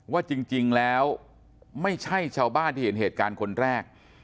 ว่าจริงแล้วไม่ใช่ชาวบ้านที่เห็นเหตุการณ์คนแรก